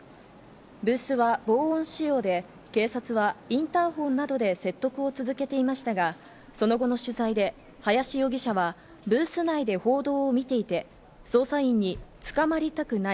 ブースは防音仕様で、警察はインターホンなどで説得を続けていましたが、その後の取材で林容疑者はブース内で報道を見ていて捜査員に捕まりたくない。